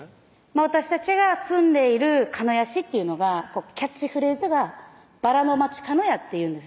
私たちが住んでいる鹿屋市っていうのがキャッチフレーズが「ばらのまちかのや」というんです